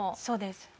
そうです。